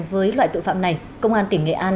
với loại tội phạm này công an tỉnh nghệ an